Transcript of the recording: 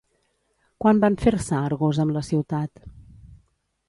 Quan van fer-se Argos amb la ciutat?